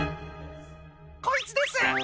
「こいつです」